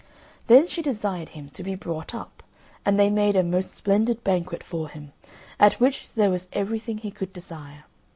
Then she desired him to be brought up, and they made a most splendid banquet for him, at which there was everything he could desire.